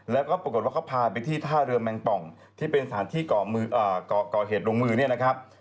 แล้วก็ปรากฏว่าเขาพาไปที่ท่าเรือแมงป่องที่เป็นสถานที่ก่อเหตุลงมือเนี่ยนะครับ